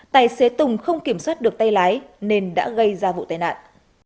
tài xế tùng không kiểm soát được tay lái nên đã gây ra vụ tai nạn